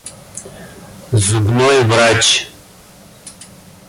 Зубной врач.